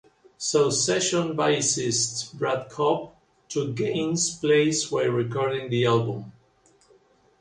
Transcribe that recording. So session bassist Brad Cobb took Gaines' place while recording the album.